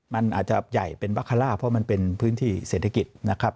มันอาจจะใหญ่เป็นบาคาร่าเพราะมันเป็นพื้นที่เศรษฐกิจนะครับ